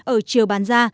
ở chiều bán ra